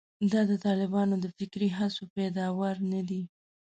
دا د طالبانو د فکري هڅو پیداوار نه دي.